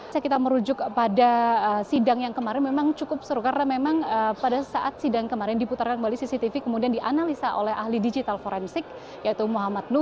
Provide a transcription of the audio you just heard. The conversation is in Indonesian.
jika kita merujuk pada sidang yang kemarin memang cukup seru karena memang pada saat sidang kemarin diputarkan kembali cctv kemudian dianalisa oleh ahli digital forensik yaitu muhammad nu